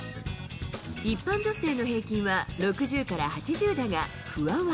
一般女性の平均は６０から８０だが、不破は。